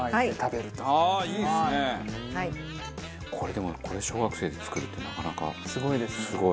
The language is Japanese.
でもこれ小学生で作るってなかなかすごい。